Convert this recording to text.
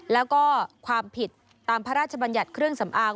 แล้วก็ความผิดตามพระราชบัญญัติเครื่องสำอาง